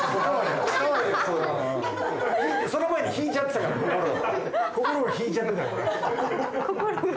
その前に引いちゃってたから心を心を引いちゃってたから。